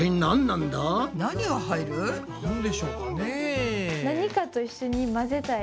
なんでしょうかね？